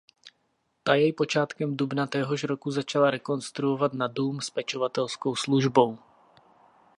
Ta jej počátkem dubna téhož roku začala rekonstruovat na dům s pečovatelskou službou.